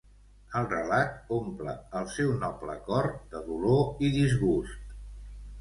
El relat omple el seu noble cor de dolor i disgust.